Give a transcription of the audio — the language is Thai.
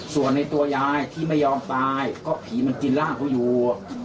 ส่วนในตัวยายที่ไม่ยอมตายก็ผีมันกินร่างเขาอยู่